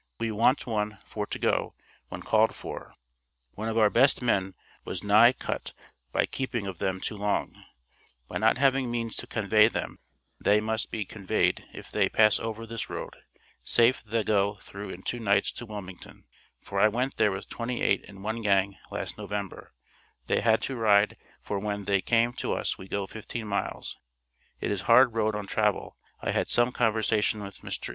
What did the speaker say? We wont one for to go when called for, one of our best men was nigh Cut By keeping of them too long, By not having means to convay them tha must Be convad if they pass over this Road safe tha go through in 2 nights to Wilmington, for i went there with 28 in one gang last November, tha had to ride for when thea com to us we go 15 miles, it is hard Road to travel i had sum conversation with mr.